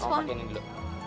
mau aku pake ini dulu